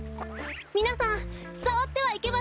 みなさんさわってはいけません！